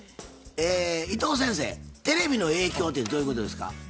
え伊藤先生「テレビの影響」てどういうことですか？